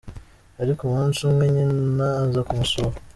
Ariko umunsi umwe Nyina aza kumusura.